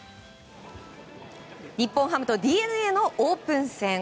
日本ハムとＤｅＮＡのオープン戦。